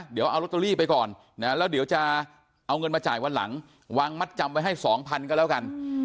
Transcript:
เดี๋ยวเอาลอตเตอรี่ไปก่อนนะแล้วเดี๋ยวจะเอาเงินมาจ่ายวันหลังวางมัดจำไว้ให้๒๐๐ก็แล้วกัน